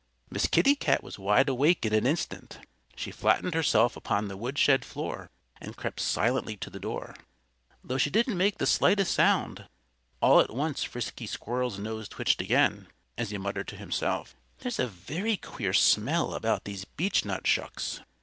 Miss Kitty Cat was wide awake in an instant. She flattened herself upon the woodshed floor and crept silently to the door. Though she didn't make the slightest sound, all at once Frisky Squirrel's nose twitched again, as he muttered to himself, "There's a very queer smell about these beechnut shucks!"